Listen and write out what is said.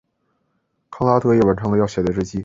康拉德也完成了要写的日记。